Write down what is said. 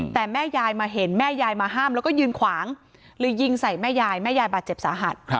แต่แม่ยายมาเห็นแม่ยายมาห้ามแล้วก็ยืนขวางเลยยิงใส่แม่ยายแม่ยายบาดเจ็บสาหัส